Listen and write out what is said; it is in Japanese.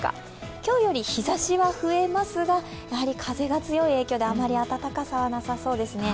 今日より日ざしは増えますが、風が強い影響であまり暖かさはなさそうですね。